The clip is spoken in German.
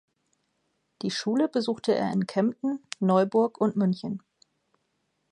Die Schule besuchte er in Kempten, Neuburg und München.